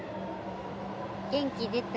元気出た？